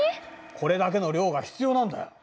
これだけの量が必要なんだよ。